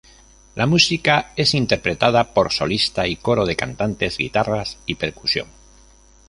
La música es interpretada por solista y coro de cantantes, guitarras y percusión.